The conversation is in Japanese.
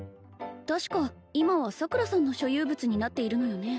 確か今は桜さんの所有物になっているのよね